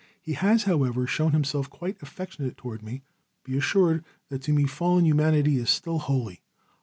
He has, however, shown himself quite affectionate toward me. Be assured that to me fallen humanity is still holy.